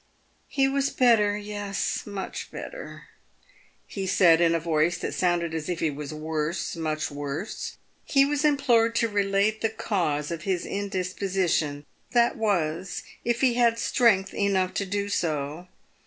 " He was better, yes ... much ... better," he said, in a voice that sounded as if he was worse, much worse. He was implored to relate the cause of his indisposition, that was, if he had strength enough to do so.